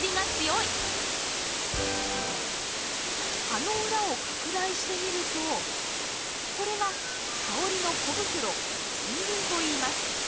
葉の裏を拡大してみるとこれが香りの小袋腺鱗といいます。